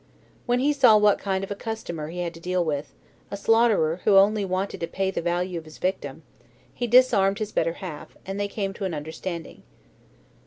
When he saw what kind of a customer he had to deal with a slaughterer who only wanted to pay the value of his victim he disarmed his better half, and they came to an understanding.